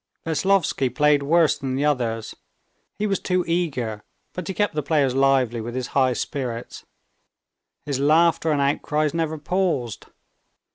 Veslovsky played worse than the others. He was too eager, but he kept the players lively with his high spirits. His laughter and outcries never paused.